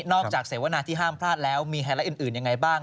จากเสวนาที่ห้ามพลาดแล้วมีไฮไลท์อื่นยังไงบ้าง